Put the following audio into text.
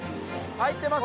入ってます